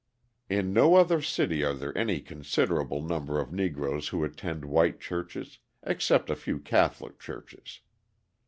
In no other city are there any considerable number of Negroes who attend white churches except a few Catholic churches.